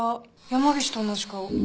山岸と同じ顔。